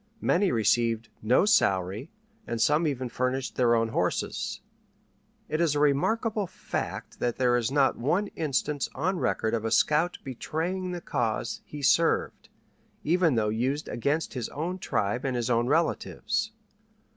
Many received no salary, and some even furnished their own horses. It is a remarkable fact that there is not one instance on record of a scout betraying the cause he served, even though used against his own tribe and his own relatives.